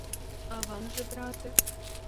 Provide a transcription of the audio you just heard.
А вам же, брате?